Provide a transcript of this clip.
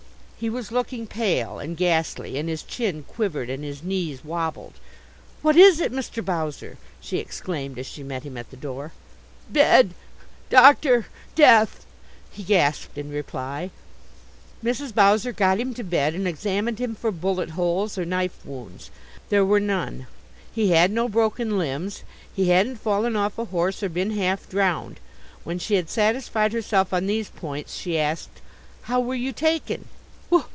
He was looking pale and ghastly, and his chin quivered, and his knees wabbled. "What is it, Mr. Bowser?" she exclaimed, as she met him at the door. "Bed doctor death!" he gasped in reply. Mrs. Bowser got him to bed and examined him for bullet holes or knife wounds. There were none. He had no broken limbs. He hadn't fallen off a horse or been half drowned. When she had satisfied herself on these points, she asked: "How were you taken?"